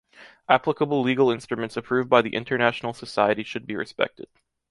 Applicable legal instruments approved by the international society should be respected.